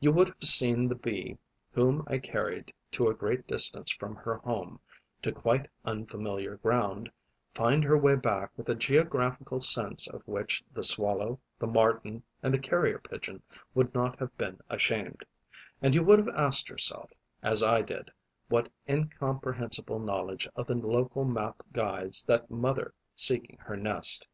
You would have seen the Bee whom I carried to a great distance from her home, to quite unfamiliar ground, find her way back with a geographical sense of which the Swallow, the Martin and the Carrier pigeon would not have been ashamed; and you would have asked yourself, as I did, what incomprehensible knowledge of the local map guides that mother seeking her nest.